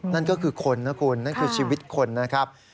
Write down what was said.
นั่นก็คือคนนะคุณนั่นคือชีวิตคนนะครับ